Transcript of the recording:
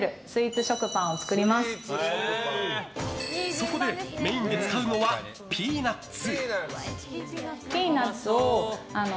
そこで、メインで使うのはピーナツ。